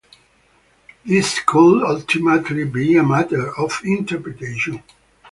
This could ultimately be a matter of interpretation.